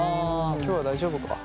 今日は大丈夫か。